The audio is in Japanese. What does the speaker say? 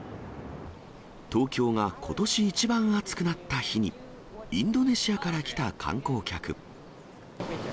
東京がことし一番暑くなった日に、インドネシアから来た観光客。